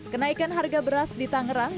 kenaikan harga beras di tangerang